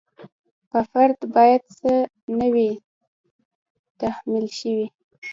په فرد باید څه نه وي تحمیل شوي.